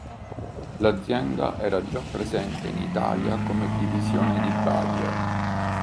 L'azienda era già presente in Italia come divisione di Bayer.